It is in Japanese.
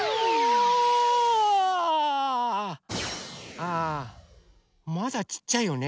あまだちっちゃいよね。